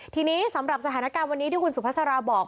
ทีนี้สำหรับสถานการณ์วันนี้ที่คุณสุภาษาราบอก